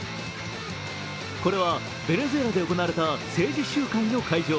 これはベネズエラで行われた政治集会の会場。